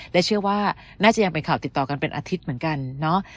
และเชื่อว่าน่าจะยังเป็นข่าวติดต่อกันเป็นอาทิตย์เหมือนกันเนาะ